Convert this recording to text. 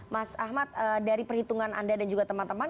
mas ahmad dari perhitungan anda dan juga teman teman